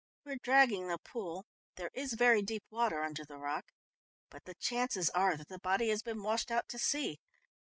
"We are dragging the pool. There is very deep water under the rock, but the chances are that the body has been washed out to sea.